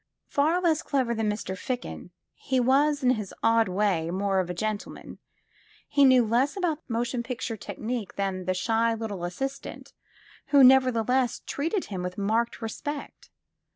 Far less clever than Mr. Ficken, he was, ki his odd way, more of a gentleman. He knew 194 THE FILM OF FATE less about the motion picture teehnic than the shy little assistant, who nevertheless treated him with marked re spect.